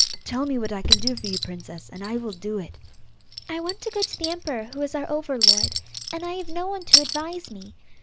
Tell me what I can do for you, princess, and I will do it.' 'I want to go to the emperor who is our over lord, and I have no one to advise me.